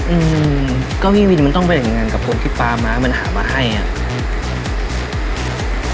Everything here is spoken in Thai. อืมก็พี่วินมันต้องไปแต่งงานกับคนที่ป๊าม้ามันหามาให้อ่ะอืม